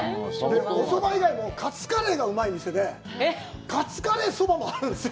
おそば以外もカツカレーがうまいお店で、カツカレーそばもあるんですよ。